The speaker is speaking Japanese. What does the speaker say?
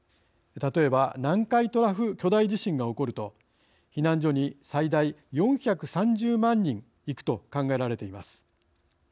例えば南海トラフ巨大地震が起こると避難所に最大４３０万人行くと考えられています。